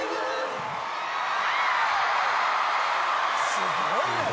すごいね。